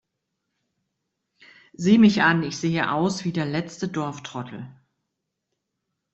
Sieh mich an, ich sehe aus wie der letzte Dorftrottel!